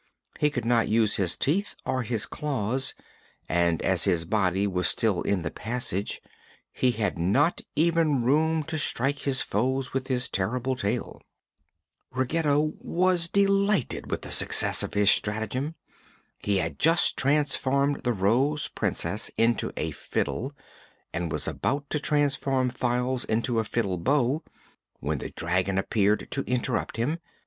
He could not use his teeth or his claws and as his body was still in the passage he had not even room to strike his foes with his terrible tail. Ruggedo was delighted with the success of his stratagem. He had just transformed the Rose Princess into a fiddle and was about to transform Files into a fiddle bow, when the dragon appeared to interrupt him.